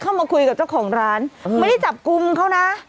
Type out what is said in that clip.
เข้ามาคุยกับเจ้าของร้านไม่ได้จับกลุ่มเขานะ